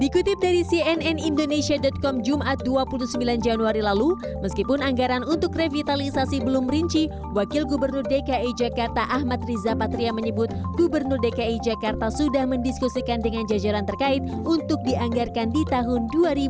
dikutip dari cnn indonesia com jumat dua puluh sembilan januari lalu meskipun anggaran untuk revitalisasi belum rinci wakil gubernur dki jakarta ahmad riza patria menyebut gubernur dki jakarta sudah mendiskusikan dengan jajaran terkait untuk dianggarkan di tahun dua ribu dua puluh